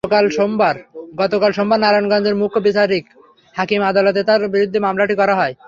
গতকাল সোমবার নারায়ণগঞ্জের মুখ্য বিচারিক হাকিম আদালতে তাঁর বিরুদ্ধে মামলাটি করা হয়।